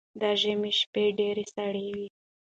ده ژمی شپه ډیره سړه وی